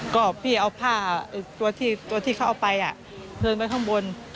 ก็พี่เอาผ้าตัวที่เขาเอาไปเดินไปข้างบน